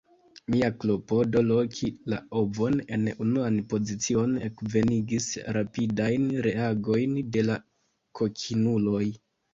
Mia klopodo loki la ovon en unuan pozicion ekvenigis rapidajn reagojn de la kokinuloj.